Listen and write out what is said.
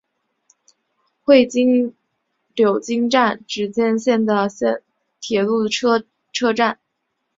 会津柳津站只见线的铁路车站。